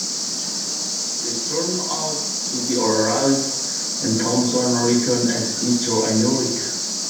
This turned out to be a ruse, and Thompson returned as Mister America.